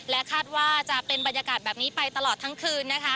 คาดว่าจะเป็นบรรยากาศแบบนี้ไปตลอดทั้งคืน